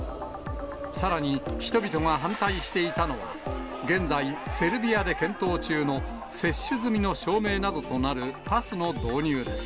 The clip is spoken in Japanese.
さらに、人々が反対していたのは、現在、セルビアで検討中の接種済みの証明などとなるパスの導入です。